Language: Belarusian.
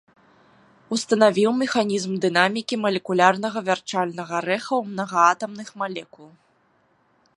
Устанавіў механізм дынамікі малекулярнага вярчальнага рэха ў мнагаатамных малекул.